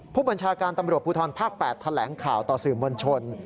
ผู้บัญชาการตำรวจภูทรภาค๘แถลงข่าวต่อสื่อมวลชน